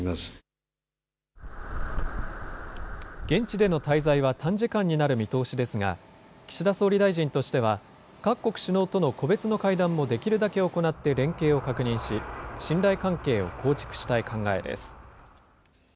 現地での滞在は短時間になる見通しですが、岸田総理大臣としては、各国首脳との個別の会談もできるだけ行って連携を確認し、信頼関係を構築したい考えです。